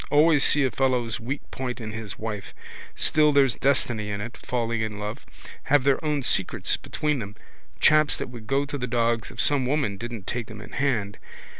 Always see a fellow's weak point in his wife. Still there's destiny in it, falling in love. Have their own secrets between them. Chaps that would go to the dogs if some woman didn't take them in hand.